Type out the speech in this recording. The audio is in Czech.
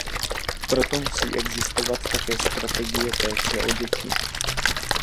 Proto musí existovat také strategie péče o děti.